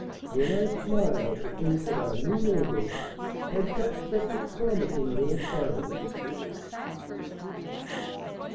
Then I smiled to think that our new neighbors had got such a promising little family.